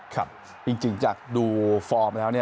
ครับจริงจากดูฟอร์มแล้ว